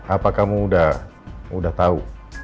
apa kamu udah tau